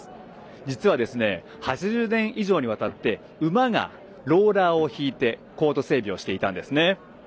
実は８０年以上にわたって馬がローラーを使ってコート整備をしていたんですね。